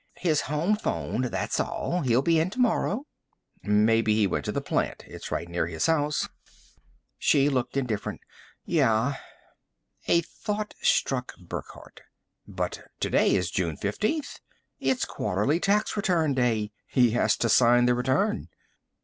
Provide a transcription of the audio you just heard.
"His home phoned, that's all. He'll be in tomorrow." "Maybe he went to the plant. It's right near his house." She looked indifferent. "Yeah." A thought struck Burckhardt. "But today is June 15th! It's quarterly tax return day he has to sign the return!"